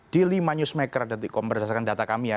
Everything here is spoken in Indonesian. di lima newsmaker detikkom berdasarkan data kami ya